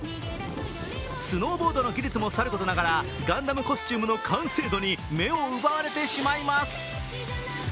スノーボードの技術もさることながらガンダムコスチュームの完成度に目を奪われてしまいます。